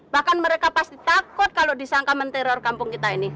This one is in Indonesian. bahkan mereka pasti takut kalau disangka menteror kampung kita ini